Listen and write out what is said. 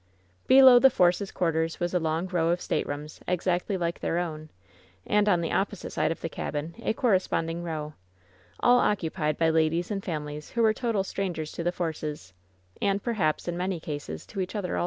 Below the Forces' quarters was a long row of state rooms exactly like their own, and on the opposite side of the cabin a corresponding row, all occupied by ladies and families who were total strangers to the Forces, and per haps, in many cases, to each other also.